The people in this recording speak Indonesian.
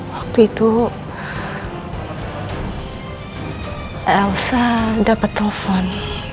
waktu itu elsa dapat telepon